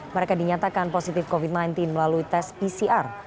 mereka dinyatakan positif covid sembilan belas melalui tes pcr